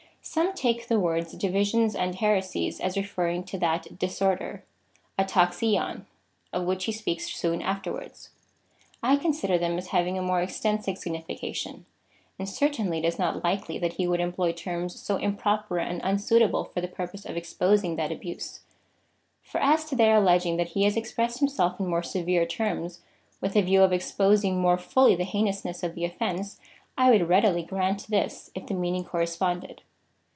Some take the words divisions and heresies, as referring to that disorder {dra^lavf of which he speaks soon afterwards. I consider them as having a more extensive signification, and certainly it is not likely that he would employ terms so improper and unsuitable for the purpose of exposing that abuse.^ For as to their alleging that he has expressed himself in more severe terms, with the view of exposing more fully the heinousness of the offence, I would readily grant this, if the meaning corresponded.